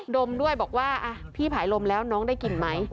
ดมด้วยบอกว่าพี่ผายลมแล้วน้องได้กลิ่นไหม